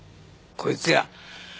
こいつや！